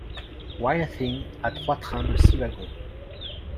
Wild Thing a trois trains de six wagons.